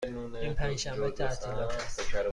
این پنج شنبه تعطیلات است.